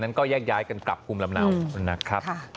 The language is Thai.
ก็แยกย้ายกันกลับภูมิลำเนานะครับ